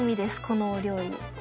このお料理。